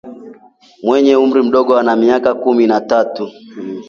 mwenye umri mdogo ana miaka kumi na tatu